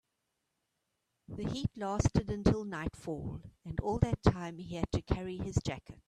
The heat lasted until nightfall, and all that time he had to carry his jacket.